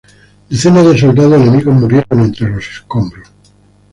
Decenas de soldados enemigos murieron entre los escombros.